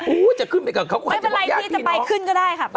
จะขึ้นไปกับเขาก่อนไม่เป็นไรพี่จะไปขึ้นก็ได้ค่ะ